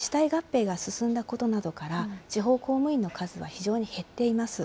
実際に自治体合併が進んだことなどから、地方公務員の数は非常に減っています。